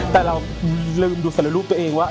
แต่เราลืมดูสารรูปตัวเองว่า